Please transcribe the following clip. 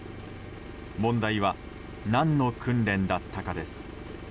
問題は、何の訓練だったかです。